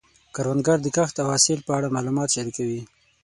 کروندګر د کښت او حاصل په اړه معلومات شریکوي